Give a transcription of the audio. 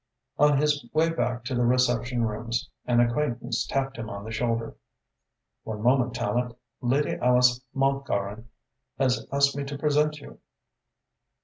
On his way back to the reception rooms, an acquaintance tapped him on the shoulder. "One moment, Tallente. Lady Alice Mountgarron has asked me to present you."